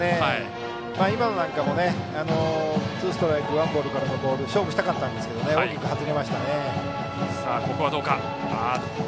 今のなんかもツーストライクワンボールから勝負したかったんですが大きく外れましたね。